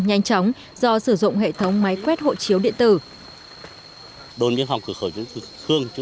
nhanh chóng do sử dụng hệ thống máy quét hộ chiếu điện tử